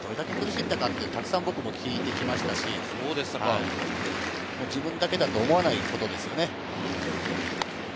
どれだけ苦しんだかって、たくさん僕も聞いてきましたし、自分だけだと思わないことですね。